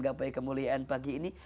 gapai kemuliaan pagi ini